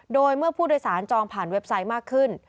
โดยเมื่อผู้โดยสารจองผ่านเว็บไซต์มากขึ้น